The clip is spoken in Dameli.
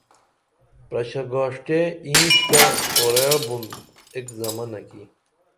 پرشہ گاݜٹیہ اینش تہ اورعؤ بُن ایک زمنہ کی